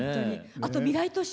あと未来都市。